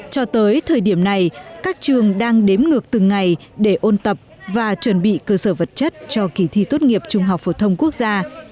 cho tới thời điểm này các trường đang đếm ngược từng ngày để ôn tập và chuẩn bị cơ sở vật chất cho kỳ thi tốt nghiệp trung học phổ thông quốc gia